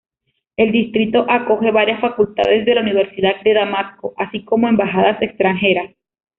El distrito acoge varias facultades de la Universidad de Damasco, así como embajadas extranjeras.